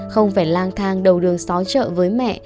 không phải lang thang đầu đường xóa chợ với mẹ